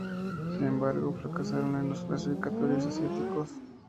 Sin embargo, fracasaron en los clasificatorios asiáticos.